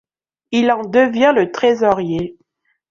Il en devient le trésorier.